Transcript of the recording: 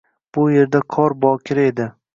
Bu erda qor bokira edi